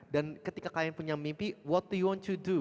dan ketika kalian punya mimpi what do you want to do